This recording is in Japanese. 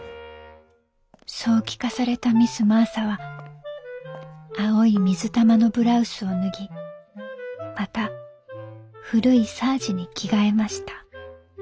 「そう聞かされたミス・マーサは青い水玉のブラウスを脱ぎまた古いサージに着替えました」。